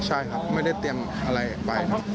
ใช่ครับไม่ได้เตรียมอะไรไปครับ